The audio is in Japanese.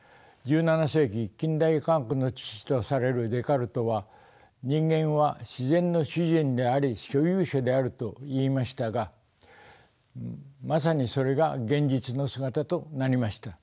１７世紀近代科学の父とされるデカルトは「人間は自然の主人であり所有者である」と言いましたがまさにそれが現実の姿となりました。